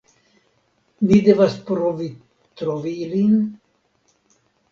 Ni devas provi trovi lin?